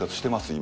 今。